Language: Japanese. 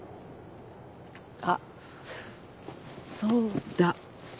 あっそうだ。